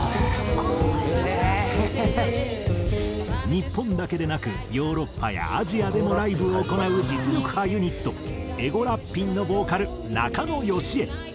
日本だけでなくヨーロッパやアジアでもライブを行う実力派ユニットＥＧＯ−ＷＲＡＰＰＩＮ’のボーカル中納良恵。